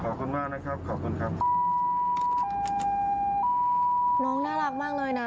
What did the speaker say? น้องน้องน่ารักมากเลยนะ